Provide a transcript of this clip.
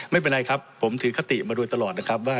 ไม่เป็นไรครับผมถือคติมาโดยตลอดนะครับว่า